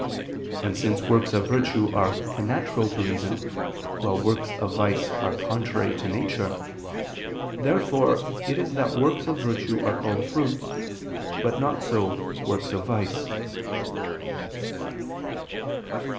And since works of virtue are connatural to reason, while works of vice are contrary to nature, therefore it is that works of virtue are called fruits, but not so works of vice.